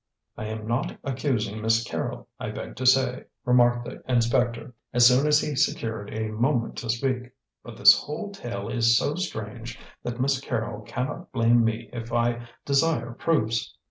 "I am not accusing Miss Carrol, I beg to say," remarked the inspector, as soon as he secured a moment to speak; "but the whole tale is so strange that Miss Carrol cannot blame me if I desire proofs.